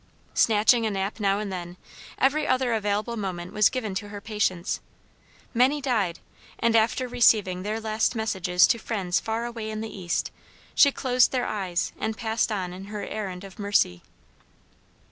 Snatching a nap now and then, every other available moment was given to her patients. Many died, and after receiving their last messages to friends far away in the east, she closed their eyes and passed on in her errand of mercy.